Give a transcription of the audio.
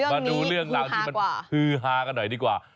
มาดูเรื่องราวที่มันฮือฮากันหน่อยดีกว่า